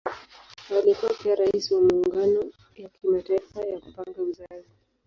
Alikuwa pia Rais wa Muungano ya Kimataifa ya Kupanga Uzazi.